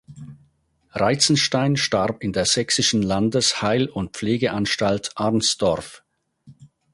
Reitzenstein starb in der sächsischen Landes-Heil- und Pflegeanstalt Arnsdorf.